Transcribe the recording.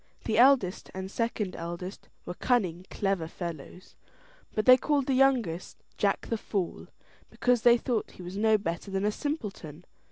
The eldest and second eldest were cunning clever fellows, but they called the youngest Jack the Fool, because they thought he was no better than a simpleton.